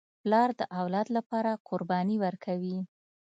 پلار د اولاد لپاره قرباني ورکوي.